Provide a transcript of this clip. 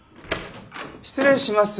失礼します。